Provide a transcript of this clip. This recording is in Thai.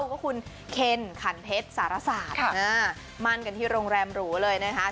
ก็คุณเคนขันเทศสารสาธค่ะอ่ามั่นกันที่โรงแรมหรูเลยนะคะ